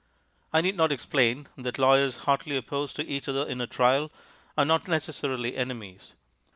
I need not explain that lawyers hotly opposed to each other in a trial are not necessarily enemies.